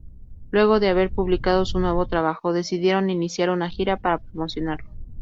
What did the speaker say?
Luego de haber publicado su nuevo trabajo, decidieron iniciar una gira para promocionarlo.